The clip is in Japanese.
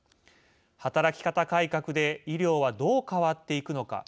働き方改革で医療はどう変わっていくのか。